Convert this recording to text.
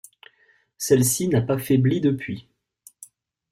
Celle-ci n'a pas faibli depuis.